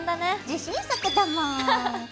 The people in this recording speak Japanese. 自信作だもん！